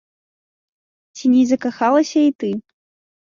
Ці не закахалася і ты?